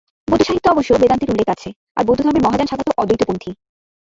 বৌদ্ধসাহিত্যে অবশ্য বেদান্তের উল্লেখ আছে, আর বৌদ্ধধর্মের মহাযান শাখা তো অদ্বৈতপন্থী।